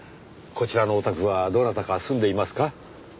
こちらのお宅はどなたか住んでいますか？